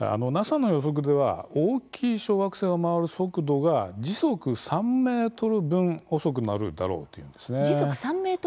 ＮＡＳＡの予測では大きい小惑星を回る速度が時速３メートル分遅くなるだろうというんですね。